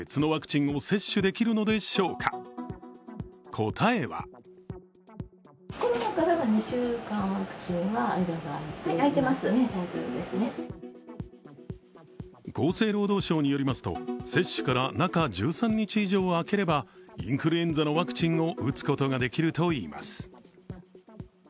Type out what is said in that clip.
答えは厚生労働省によりますと接種から中１３日以上空ければインフルエンザのワクチンを打つことができるといいます。